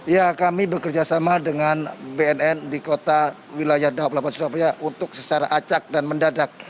ya kami bekerja sama dengan bnn di kota wilayah daoblapan surabaya untuk secara acak dan mendadak